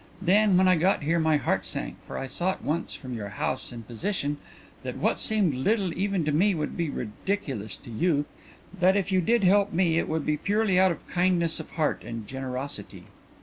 Then when I got here my heart sank, for I saw at once from your house and position that what seemed little even to me would be ridiculous to you that if you did help me it would be purely out of kindness of heart and generosity."